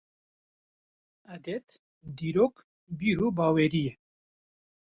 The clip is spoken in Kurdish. Edet, dîrok, bîr û bawerî ye.